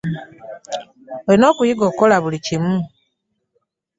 Olina okuyiga okukola buli kimu.